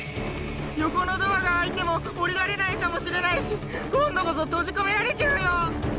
横のドアが開いても降りられないかもしれないし今度こそ閉じ込められちゃうよ！